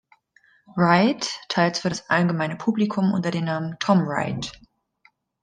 Wright, teils für das allgemeine Publikum unter dem Namen Tom Wright.